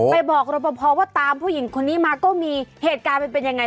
ไปบอกรับประพอว่าตามผู้หญิงคนนี้มาก็มีเหตุการณ์มันเป็นยังไง